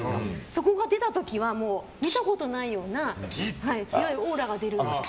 そこが出た時は見たことないような強いオーラが出るとか。